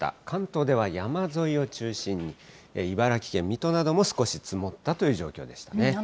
関東では山沿いを中心に茨城県水戸なども少し積もったという状況でしたね。